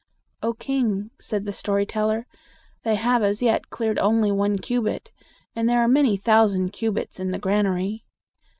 "O king!" said the story teller, "they have as yet cleared only one cubit; and there are many thousand cubits in the granary."